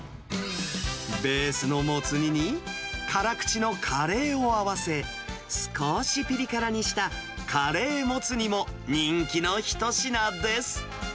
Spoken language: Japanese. ベースのモツ煮に、辛口のカレーを合わせ、少しピリ辛にしたカレーモツ煮も人気の一品です。